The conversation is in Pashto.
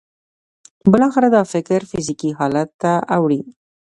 بالاخره دا فکر فزیکي حالت ته اوړي